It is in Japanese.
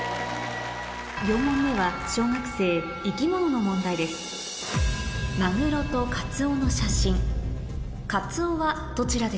４問目は小学生生き物の問題ですあっ。